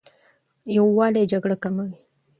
یووالی جګړه کموي.